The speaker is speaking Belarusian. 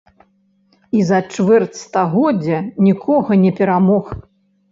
І за чвэрць стагоддзя нікога не перамог.